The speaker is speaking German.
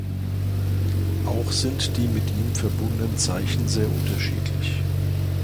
Auch sind die mit ihm verbundenen Zeichen sehr unterschiedlich.